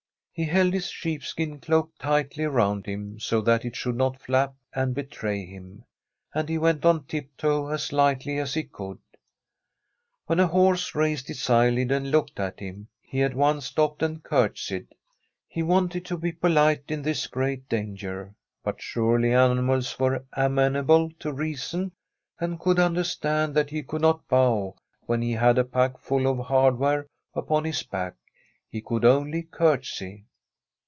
He held his sheepskin cloak tightly around him so that it should not flap and betray him, and he went on tiptoe as lightly as he could. When a horse raised its eyelid and looked at him, he at once stopped and curtsied. He wanted to be polite in this great danger, but surely animals were amenable to reason, and could understand that he could not bow when he had a pack full of hardware upon his back ; he could only curtsy.